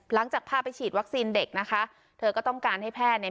หลังจากพาไปฉีดวัคซีนเด็กนะคะเธอก็ต้องการให้แพทย์เนี่ย